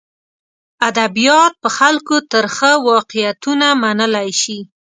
ادبیات په خلکو ترخه واقعیتونه منلی شي.